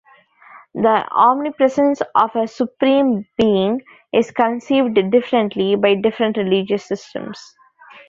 The omnipresence of a supreme being is conceived differently by different religious systems.